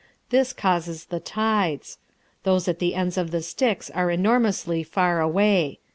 This causes the tides. Those at the ends of the sticks are enormously far away.